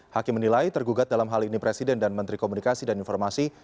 hakim menilai tergugat dalam hal ini presiden dan menteri komunikasi dan informasi